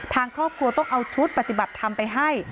ทางครอบครัวต้องเอาชุดปฏิบัติธรรมไปให้